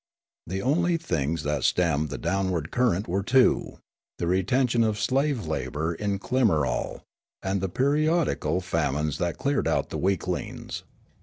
The only things that stemmed the downward current were two : the retention of slave labour in Kli marol, and the periodical famines that cleared out the weaklings.